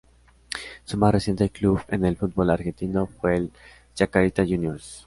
Su más reciente club en el fútbol argentino, fue el Chacarita Juniors.